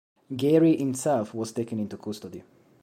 Gairy himself was taken into custody.